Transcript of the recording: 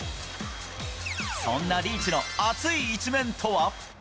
そんなリーチのあつい一面とは。